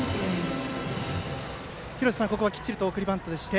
廣瀬さん、ここはきっちり送りバントして。